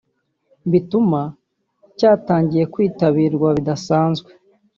bituma cyatangiye kwitabirwa bidasanzwe